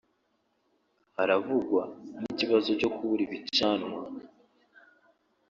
haravugwa n’ikibazo cyo kubura ibicanwa